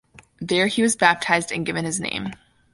There he was baptized and given his name.